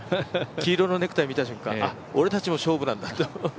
黄色のネクタイ見た瞬間、あ、俺たちも勝負なんだって。